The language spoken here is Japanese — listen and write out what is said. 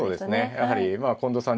やはりまあ近藤さん